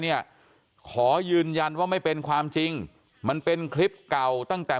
เนี่ยขอยืนยันว่าไม่เป็นความจริงมันเป็นคลิปเก่าตั้งแต่